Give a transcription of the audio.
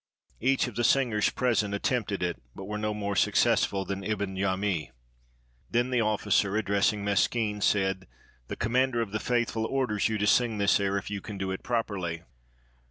Each of the singers present attempted it, but were no more success ful than Ibn Jami. Then the officer, addressing Meskin, said :' The Commander of the Faithful orders you to sing this air if you can do it properly.'